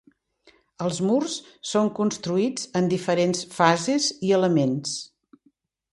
Els murs són construïts en diferents fases i elements.